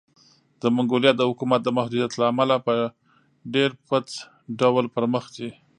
د منګولیا د حکومت د محدودیت له امله په ډېرپڅ ډول پرمخ ځي.